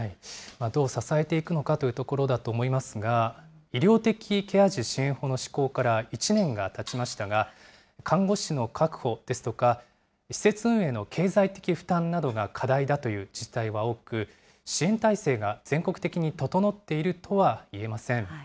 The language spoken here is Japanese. どう支えていくのかというところだと思いますが、医療的ケア児支援法の施行から１年がたちましたが、看護師の確保ですとか、施設運営の経済的負担などが課題だという自治体は多く、支援体制が全国的に整っているとはいえません。